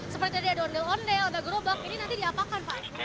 seperti tadi ada ondel ondel ada gerobak ini nanti diapakan pak